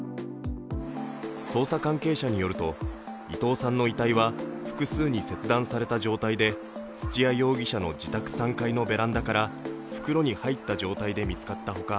捜査関係者によると伊藤さんの遺体は複数に切断された状態で土屋容疑者の自宅３階のベランダから袋に入った状態で見つかったほか